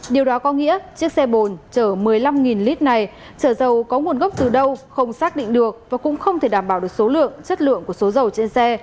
điều đó có nghĩa chiếc xe bồn chở một mươi năm lít này trở dầu có nguồn gốc từ đâu không xác định được và cũng không thể đảm bảo được số lượng chất lượng của số dầu trên xe